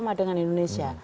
kalau kita berada di indonesia